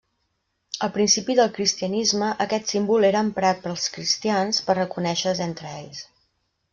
Al principi del Cristianisme aquest símbol era emprat pels cristians per reconèixer-se entre ells.